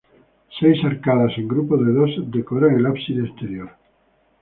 Seis arcadas, en grupos de dos, decoran el ábside exterior.